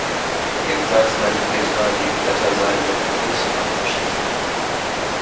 Jedenfalls meinte Petra, die Bretter seien mit Kunstharz beschichtet.